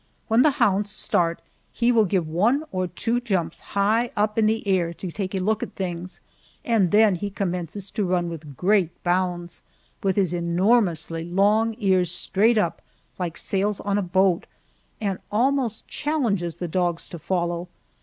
When the hounds start one he will give one or two jumps high up in the air to take a look at things, and then he commences to run with great bounds, with his enormously long ears straight up like sails on a boat, and almost challenges the dogs to follow.